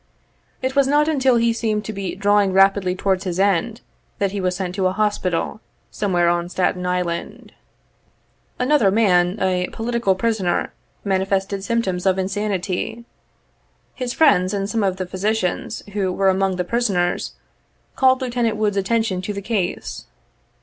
It was not until he seemed to be drawing rapidly towards his end, that he was sent to a Hospital, somewhere on Staten Island. Another man, a "political prisoner," manifested symp toms of insanity. His friends, and some of the physicians, who were among the prisoners, called Lieutenant Wood's attention to the case.